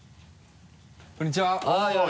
こんにちは！